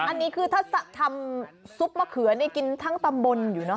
อันนี้คือถ้าทำซุปมะเขือนี่กินทั้งตำบลอยู่เนอ